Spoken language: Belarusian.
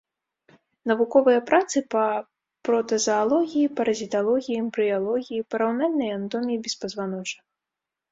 Навуковыя працы па протазаалогіі, паразіталогіі, эмбрыялогіі, параўнальнай анатоміі беспазваночных.